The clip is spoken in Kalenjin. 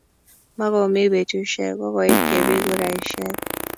Makomii betusiek, kokoit kepir kuraisiek